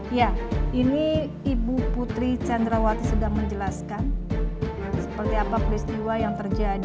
ya ini ibu putri candrawati sedang menjelaskan seperti apa peristiwa yang terjadi